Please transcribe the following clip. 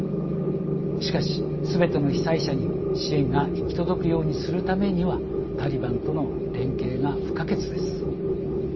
しかしすべての被災者に支援が行き届くようにするためにはタリバンとの連携が不可欠です。